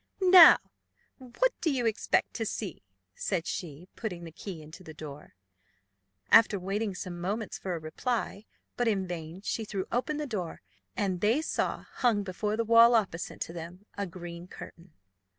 "Now, what do you expect to see?" said she, putting the key into the door. After waiting some moments for a reply, but in vain, she threw open the door, and they saw, hung before the wall opposite to them, a green curtain.